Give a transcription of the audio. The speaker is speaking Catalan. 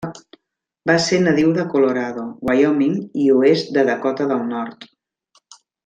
Va ser nadiu de Colorado, Wyoming i oest de Dakota del Nord.